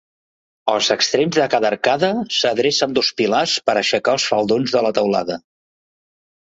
Als extrems de cada arcada s'adrecen dos pilars per aixecar els faldons de la teulada.